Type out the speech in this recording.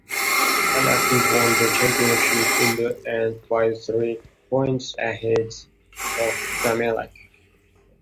Al Ahly won the championship in the end by three points ahead of Zamalek.